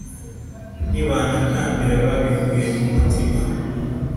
Ntibantakambira babikuye ku mutima;